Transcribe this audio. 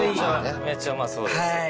めっちゃうまそうです。